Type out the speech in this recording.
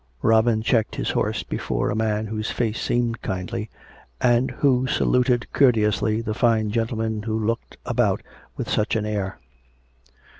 Robin checked his horse before a man whose face seemed 294 COME RACK! COME ROPE! kindly, and who saluted courteously the fine gentleman who looked about with such an air.